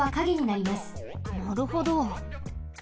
なるほど。